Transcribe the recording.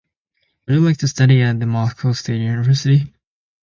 Would you like to study at the Moscow State University?